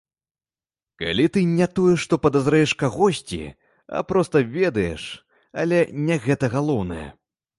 Калі ты не тое, што падазраеш кагосьці, а проста ведаеш, але не гэта галоўнае.